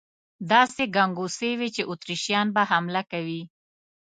داسې ګنګوسې وې چې اتریشیان به حمله کوي.